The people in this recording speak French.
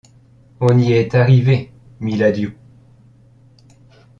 On y est arrivés, miladiou !